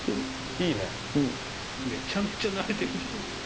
・いいね・・めちゃめちゃなれてるじゃないですか・